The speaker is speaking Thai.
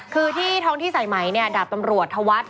คือที่ท้องที่สายไหมเนี่ยดาบตำรวจธวัฒน์